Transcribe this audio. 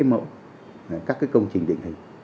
mẫu các cái công trình định hình